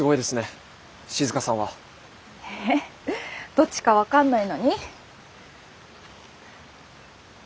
どっちか分かんないのに？